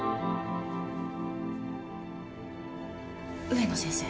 植野先生。